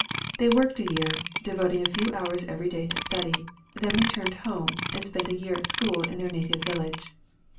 They worked a year, devoting a few hours every day to study; then returned home, and spent a year at school in their native village.